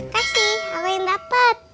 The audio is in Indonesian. kasih apa yang dapet